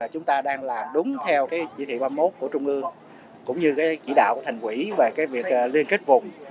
chúng ta đang làm đúng theo chỉ thị ba mươi một của trung ương cũng như cái chỉ đạo của thành quỷ về việc liên kết vùng